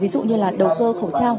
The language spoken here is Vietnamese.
ví dụ như là đầu cơ khẩu trang